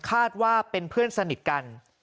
คาดว่าเป็นเพื่อนสนิทกัน